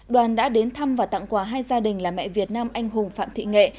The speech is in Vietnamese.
đoàn đã đến thăm và tặng quà hai gia đình là mẹ việt nam anh hùng phạm thị nghệ